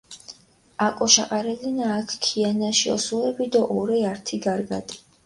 აკოშაყარელენა აქ ქიანაში ოსურეფი დო ორე ართი გარგატი.